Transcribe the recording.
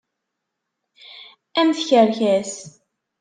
A mm tkerkas.